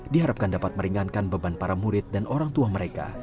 diharapkan dapat meringankan beban para murid dan orang tua mereka